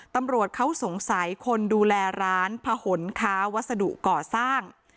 ตำรวจเขาสงสัยคนดูแลร้านผนค้าวัสดุก่อสร้าง